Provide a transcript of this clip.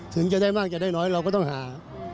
ถึงจะได้มากจะได้น้อยเราก็ต้องหา